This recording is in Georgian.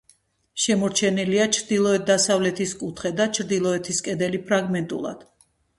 შემორჩენილია ჩრდილო-დასავლეთის კუთხე და ჩრდილოეთის კედელი ფრაგმენტულად.